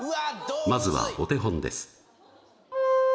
まずはお手本です